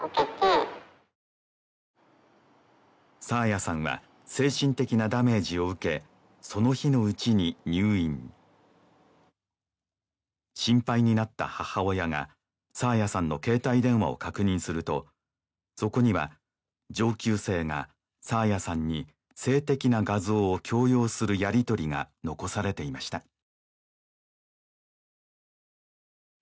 爽彩さんは精神的なダメージを受けその日のうちに入院心配になった母親が爽彩さんの携帯電話を確認するとそこには上級生が爽彩さんに性的な画像を強要するやりとりが残されていました